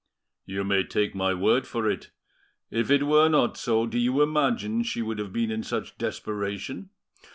"You may take my word for it. If it were not so, do you imagine she would have been in such desperation?